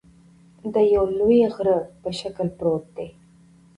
د یوه لوی غره په شکل پروت دى